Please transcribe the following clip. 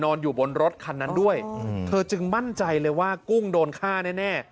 อยู่บนรถคันนั้นด้วยเธอจึงมั่นใจเลยว่ากุ้งโดนฆ่าแน่